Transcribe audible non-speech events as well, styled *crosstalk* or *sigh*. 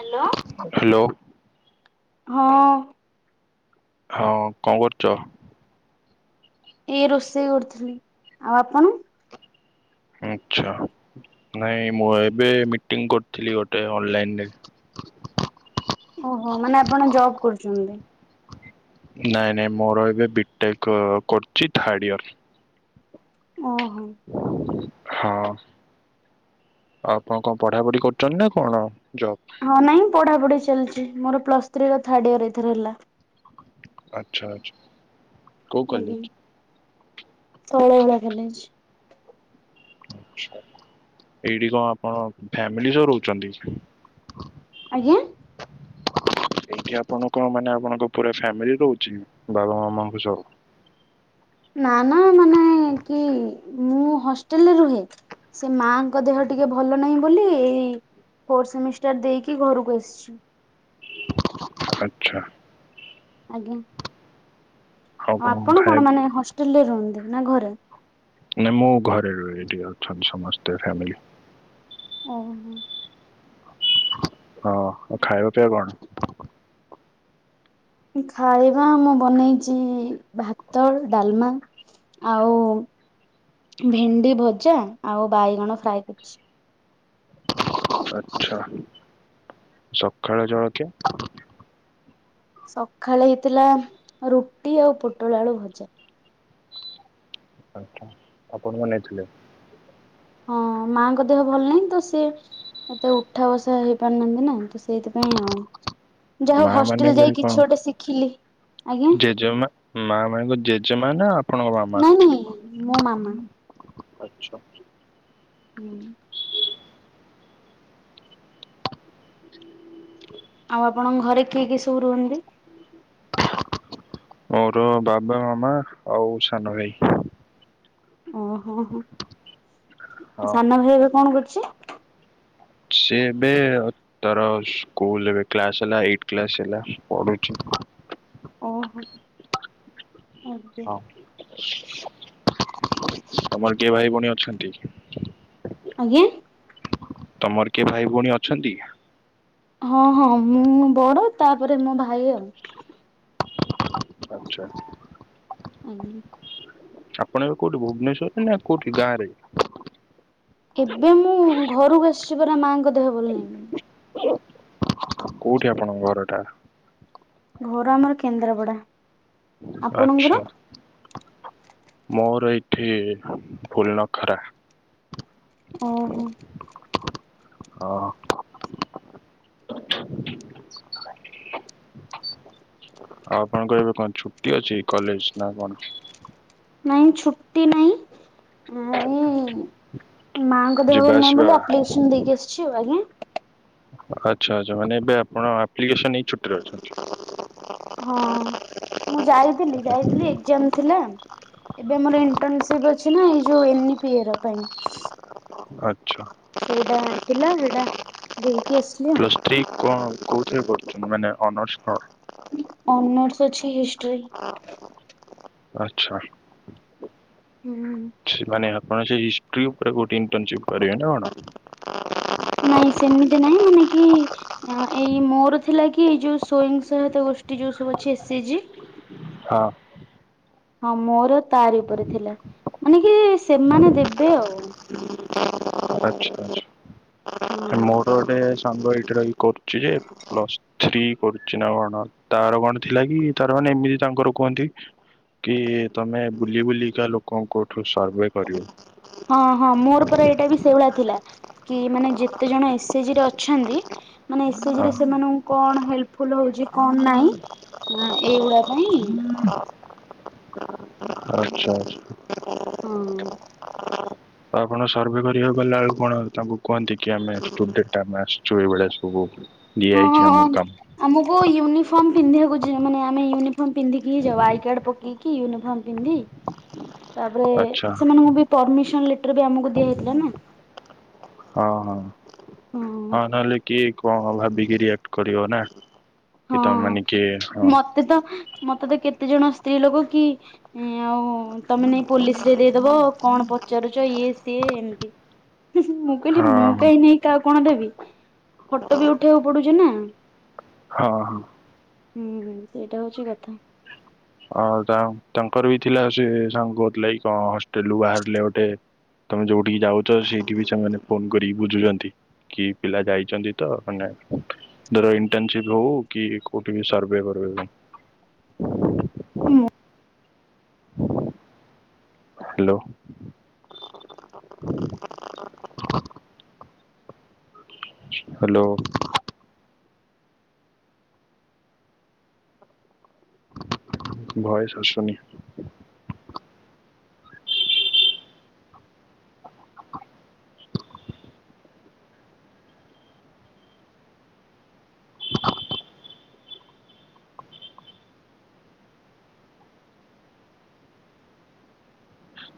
Hello. Hello ହଁ କଣ କରୁଚ? ଏଇ ରୋଷେଇ କରୁଥିଲି, ଆଉ ଆପଣ? ଆଚ୍ଛା ନାଇଁ ମୁଁ ଏବେ ମିଟିଂ କରୁଥିଲି ଗୋଟେ ଅନଲାଇନ୍ ରେ। ଓହୋ, ମାନେ ଆପଣ ଜବ୍ କରୁଚନ୍ତି? ନାଇଁ-ନାଇଁ ମୋର ଏବେ ବିଟେକ୍ କରୁଚି ଥାର୍ଡ ଇୟର୍। ଓହୋ। ହଁ। ଆପଣ କଣ ପଢାପଢି କରୁଚନ୍ତି ନା କଣ ଜବ୍? ହଁ ନାଇଁ ପଢାପଢି ଚାଲ୍ଚି ମୋର ପ୍ଲସ୍ ଥ୍ରୀ ର ଥାର୍ଡ ଇଅର୍ ଏଇଥର ହେଲା। ଆଚ୍ଛା-ଆଚ୍ଛା। ଆଜ୍ଞା, ତଳ ଭଳିଆ *inaudible* ଏଇଠି କଣ ଆପଣ ଫ୍ୟାମିଲି ସହ ରହୁଚନ୍ତି? ଆଜ୍ଞା। ହ ଏଇଠି ଆପଣ କଣ ମାନେ ଆପଣଙ୍କ ପୁରା ଫ୍ୟାମିଲି ରହୁଚି ବାବା ମାମାଙ୍କ ସହ? ନା-ନା ମାନେ କି ମୁଁ ହଷ୍ଟେଲରେ ରୁହେ। ସେ ମାଙ୍କ ଦେହ ଟିକେ ଭଲ ନାହିଁ ବୋଲି ଏଇ ଫୋର୍ ସେମିଷ୍ଟାର୍ ଦେଇକି ଘରକୁ ଆସିଚି। ଆଚ୍ଛା। ଆଜ୍ଞା। ଆଉ ଆପଣ କଣ ମାନେ ହଷ୍ଟେଲ୍ ରେ ରୁହନ୍ତି ନା ଘରେ? ନାଇଁ ମୁଁ ଘରେ ରୁହେ, ଏଠି ଅଛନ୍ତି ସମସ୍ତେ ଫ୍ୟାମିଲି। ଓହୋ। ହଁ ଆଉ ଆଜ୍ଞା। ଖାଇବା ପିଇବା କଣ? ଖାଇବା ମୁଁ ବନେଇଚି ଭାତ ଡାଲମା ଆଉ ଭେଣ୍ଡି ଭଜା ଆଉ ବାଇଗଣ ଫ୍ରାଏ କରିଚି। ଆଚ୍ଛା ସକାଳ ଜଳଖିଆ? ସକାଳେ ହେଇଥିଲା ରୁଟି ଆଉ ପୋଟଳ ଆଳୁ ଭଜା। ଆଚ୍ଛା। ଆପଣ ବନେଇଥିଲେ? ହଁ ମାଙ୍କ ଦେହ ଭଲ ନାଇଁ ତ ସେ ଏତେ ଉଠା ବସା ହେଇପାରୁନାହାନ୍ତି ନା ତ ସେଇଥିପାଇଁ ଆଉ। ଯାହା ମା ହଉ ମାନେ ହଷ୍ଟେଲେ ଯାଇକି କଣ କିଛି ଗୋଟେ ଶିଖିଲି। ଆଜ୍ଞା ଜେଜେମା ମା ମାନେ ତ ଜେଜେମା ନା ଆପଣଙ୍କ ମାମା। ନାଇଁ ନାଇଁ ମୋ ମାମା। ଆଚ୍ଛା। ହୁଁ। ଆଉ ଆପଣଙ୍କ ଘରେ କିଏ-କିଏ ସବୁ ରୁହନ୍ତି? ମୋର ବାବା ମାମା ଆଉ ସାନ ଭାଇ ଓହୋହୋ ହଁ ସାନ ଭାଇ ଏବେ କଣ କରୁଚି? ସିଏ ଏବେ ଅ ତାର ସ୍କୁଲ୍ ରେ ଏବେ କ୍ଲାସ୍ ହେଲା, ଏଇଟ୍ କ୍ଲାସ୍ ହେଲା ପଢ଼ୁଚି। ଓହୋ ଆଜ୍ଞା ହଁ ତମର କିଏ ଭାଇ, ଭଉଣୀ ଅଛନ୍ତି। ଆଜ୍ଞା। ତମର କିଏ ଭାଇ, ଭଉଣୀ ଅଛନ୍ତି। ହଁ ହଁ ମୁଁ ବଡ ତାପରେ ମୋ ଭାଇ ଆଉ। ଆଚ୍ଛା। ଉଁ ହୁ। ଆପଣ ଏବେ କୋଉଠି ଭୁବନେଶ୍ୱର ରେ ନା କୋଉଠି ଗାଁ ରେ। ଏବେ ମୁଁ ଘରୁକୁ ଆସିଛି ପରା ମାଙ୍କ ଦେହ ଭଲ ନାହିଁ। ବୋଲି। କୋଉଠି ଆପଣଙ୍କ ଘର ଟା। ଘର ଆମର କେନ୍ଦ୍ରାପଡା। ଆପଣଙ୍କର? ଆଚ୍ଛା। ମୋର ଏଇଠି ଫୁଲ ନଖରା। ଓହୋ। ହଁ। ଆଉ କ'ଣ କହିବେ କ'ଣ ଛୁଟି ଅଛି କଲେଜ ନା କ'ଣ। ନାଇଁ ଛୁଟି ନାଇଁ ଆଉ। ମାଆଙ୍କ ଦେହ ଯିବା ଭଲ ନାହିଁ ଆସିବା ବୋଲି ଆପ୍ଲିକେସନ ଦେଇକି ଆସିଛି ଆଜ୍ଞା। ଆଚ୍ଛା, ଆଚ୍ଛା ମାନେ ଏବେ ଆପଣ ଆପ୍ଲିକେସନ ନେଇ ଛୁଟିରେ ଅଛନ୍ତି। ହଁ ମୁଁ ଯାଇଥିଲି, ଯାଇଥିଲି ଏକ୍ଜାମ। ଥିଲା ଏବେ ମୋର ଇଣ୍ଟନସିପ୍ ଅଛିନା ଏ ଯୋଉ ଏ ନି ପିୟର ପାଇଁ। ଆଚ୍ଛା। ସେଇଟା ଥିଲା ହେଇଟା ଦେଇକି ଆସିଲି ଆଉ। ପ୍ଲସ୍ ଥ୍ରୀ କ'ଣ କୋଉଥିରେ ପଢୁଛନ୍ତି ମାନେ ଅନର୍ସ କ'ଣ। ଅନର୍ସ ଅଛି ହିଷ୍ଟ୍ରି। ଆଚ୍ଛା। ଉଁ ହୁଁ। ମାନେ ଆପଣ ସେ ହିଷ୍ଟ୍ରି ଉପରେ କୋଉଠି ଇଣ୍ଟନସିପ୍ କରିବେ ନା କ'ଣ। ନାଇଁ ସେମିତି ନାଇଁ ମାନେ କି। ଏଇ ମୋର ଥିଲା କି ଏଇ ଯୋଉ ସ୍ୱୟଂ ସହାୟତା ଗୋଷ୍ଠୀ ଯୋଉ ସବୁ ଅଛି ଏସ୍ ଏଚେ ଜି। ହଁ। ହଁ ମୋର ତାରି ଉପରେ ଥିଲା ମାନେ କି ସେମାନେ ଦେବେ ଆଉ। ଆଚ୍ଛା, ହଁ ଆଚ୍ଛା ମୋର ଗୋଟେ ସାଙ୍ଗ ଏଇଠି ରହିକି କରୁଛି ଯେ ପ୍ଲସ। ସ୍ତ୍ରୀ କରୁଛି ନା କ'ଣ ତାର କ'ଣ ଥିଲା କି ତାର ମାନେ ଏମିତି ତାଙ୍କର କୁହନ୍ତି। କି ତମେ ବୁଲି ବୁଲିକା ଲୋକଙ୍କଠୁ ସର୍ଭେ କରିବ। ହଁ ହଁ ମୋର ପରା ଏଇଟା ବି ସେଇଭଳିଆ ଥିଲା। କି ମାନେ ଯେତେ ଜଣ ଏସ ଏଚେ ଜି ରେ ଅଛନ୍ତି ମାନେ ଏସ୍ ଏଚେ ଜି ହଁ ରେ ସେମାନଙ୍କୁ। କଣ ହେଲ୍ପଫୁଲ ହଉଛି କ'ଣ ନାହିଁ ଏଇଗୁଡା ପାଇଁ। ଆଚ୍ଛା, ଆଚ୍ଛା। ହଁ। ତ ଆପଣ ସର୍ଭେ କରିବାକୁ ଗଲାବେଳୁ କ'ଣ ତାଙ୍କୁ କୁହନ୍ତି କି ଆମେ ସ୍ଟୁପେଡା ଆମେ ଆସିଛୁ ଏଇଭଳିଆ ସବୁ। ଦିଆ ହେଇଛି ହଁ ଆମୁକୁ କାମ। ଆମକୁ ୟୁନିଫର୍ମ ପିନ୍ଧିବାକୁ ଜିୟୁ ମାନେ ଆମେ ୟୁନିଫର୍ମ ପିନ୍ଧିକି ହିଁ ଯାଉ ଆଇ କାର୍ଡ ପକେଇକି। କି ୟୁନିଫର୍ମ ପିନ୍ଧି। ତାପରେ ଆଚ୍ଛା ସେମାନଙ୍କୁ ବି ପରିମିସନ ଲେଟର ବି ଆମକୁ ଦିଆ ହେଇଥିଲା ନା। ହଁ, ହଁ, ହଁ ନହେଲେ କିଏ କଣ ଭାବିକି ରିଆକ୍ଟ କରିବ ନା। ହଁ କି ତମ ମାନେ କିଏ ହଁ ମତେ ତ ମତେ ତ କେତେ ଜଣ ସ୍ତ୍ରୀ ଲୋକ କି। ହୁଁ ଆଉ ତମେ ନେଇ ପୋଲିସ ରେ ଦେଇଦବ କଣ ପଚାରୁଛ ଇଏ ସିଏ ଏମିତି। ହୁଁ ହୁଁ ମୁଁ କହିଲି ହଁ ମୁଁ କାହିଁ ନେଇ କାହାକୁ କଣ ଦେବି ଫଟୋ ବି ଉଠେଇବାକୁ ପଡୁଛି ନା, ହଁ ହଁ। ହୁଁ ହୁଁ ସେଇଟା ହଉଛି କଥା। ହଁ ତା ତାଙ୍କର ବି ଥିଲା ସେ ସାଙ୍ଗ ଥିଲା କଣ ହଷ୍ଟେଲରୁୁ ବାହାରିଲେ ଗୋଟେ ତମେ ଯୋଉଠିକି ଯାଉଛ ସେଇଠି ବି ସେମାନେ ଫୋନ କରିକି ବୁଝୁଛନ୍ତି। କି ପିଲା ଯାଇଛନ୍ତି ତ ମାନେ ଧର ଇଣ୍ଟର୍ନସିିପ ହଉ କି କୋଉଠି ବି ସର୍ଭେ ବର୍ବେ ମୁଁ ହ୍ୟାଲୋ। *inaudible* ହାଲୋ। ଭଏସ ଆସୁନି।